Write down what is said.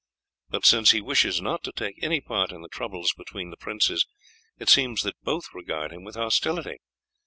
But since he wishes not to take any part in the troubles between the princes, it seems that both regard him with hostility.